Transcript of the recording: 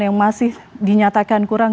yang masih dinyatakan kurang